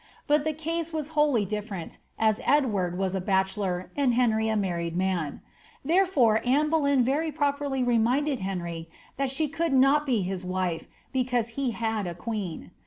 But the case was wholly different, as Edward was a bachelor, and Henry a married man ; therefore Anne Boleyn very properly reminded Henry, that she could not be his wife, because he had a queen.